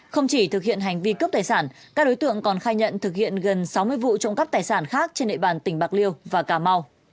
không chỉ thực hiện hành vi cướp tài sản các đối tượng còn khai nhận thực hiện gần sáu mươi vụ trộm cắp tài sản khác trên địa bàn tỉnh bạc liêu và cà mau